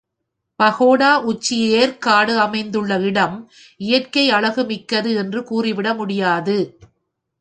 பகோடா உச்சி ஏர்க்காடு அமைந்துள்ள இடம் இயற்கை அழகுமிக்கது என்று கூறிவிட முடியாது.